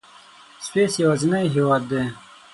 سویس یوازینی هېواد دی.